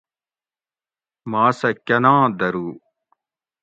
ما سہ کۤناں دۤھرو